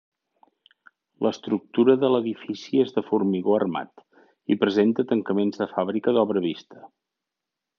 L'estructura de l'edifici és de formigó armat i presenta tancaments de fàbrica d'obra vista.